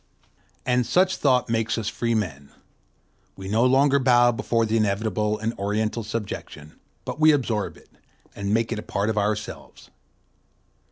And such thought makes us free men; we no longer bow before the inevitable in Oriental subjection, but we absorb it, and make it a part of ourselves.